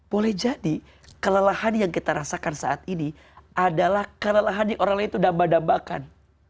boleh jadi kelelahan yang kita rasakan saat ini adalah kelelahan yang orang lain itu dambah dambakan